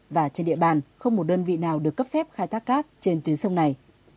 và trên địa bàn không một đơn vị nào được cấp phép khai thác cát trên tuyến sông này